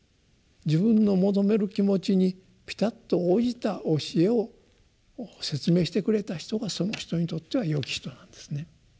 自分の求める気持ちにぴたっと応じた教えを説明してくれた人がその人にとっては「よき人」なんですね。